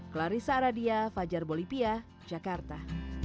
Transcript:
klarissa radia fajar bolivia jakarta